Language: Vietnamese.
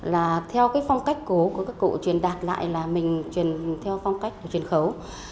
là theo cái phong cách cố của các cụ truyền đạt lại là mình truyền theo phong cách của truyền khấu